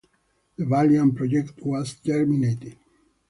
The Valiant project was terminated.